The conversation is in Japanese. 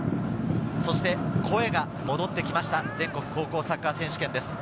そして、声が戻ってきました、全国高校サッカー選手権です。